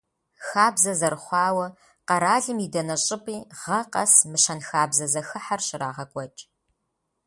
Хабзэ зэрыхъуауэ, къэралым и дэнэ щӀыпӀи гъэ къэс мы щэнхабзэ зэхыхьэр щрагъэкӀуэкӀ.